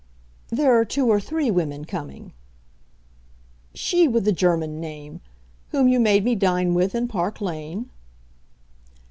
"There are two or three women coming." "She with the German name, whom you made me dine with in Park Lane?"